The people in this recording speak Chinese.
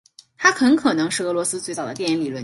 他很可能是俄罗斯最早的电影理论家。